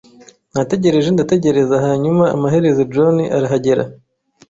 Nategereje ndategereza hanyuma amaherezo John arahagera.